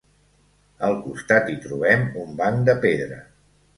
Al costat hi trobem un banc de pedra.